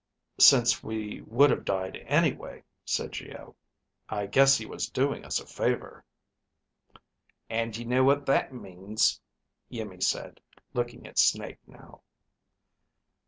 "Since we would have died anyway," said Geo, "I guess he was doing us a favor." "And you know what that means," Iimmi said, looking at Snake now.